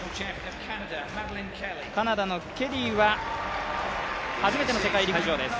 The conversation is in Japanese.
カナダのケリーは初めての世界陸上です。